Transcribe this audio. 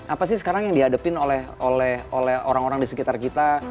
apa sih sekarang yang dihadapin oleh orang orang di sekitar kita